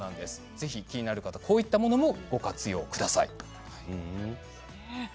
ぜひ気になる方こういったものもご活用ください。